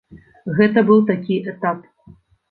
Гэта быў такі этап.